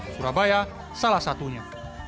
surabaya salah satunya